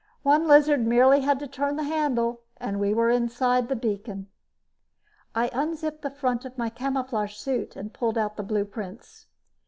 One lizard merely turned the handle and we were inside the beacon. I unzipped the front of my camouflage suit and pulled out the blueprints.